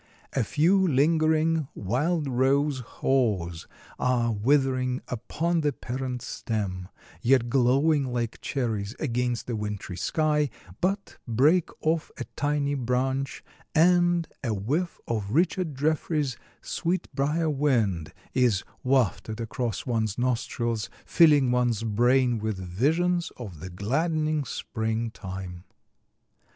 A few lingering wild rose haws are withering upon the parent stem, yet glowing like cherries against the wintry sky, but break off a tiny branch and a whiff of Richard Jefferies' "sweet briar wind" is wafted across one's nostrils, filling one's brain with visions of the gladdening spring time.